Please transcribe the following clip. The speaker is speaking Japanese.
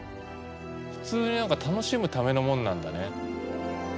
普通に何か楽しむためのもんなんだね。